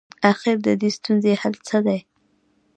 اخر ددې ستونزي حل څه دی؟